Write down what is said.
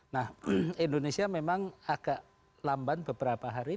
nah indonesia memang agak lamban beberapa hari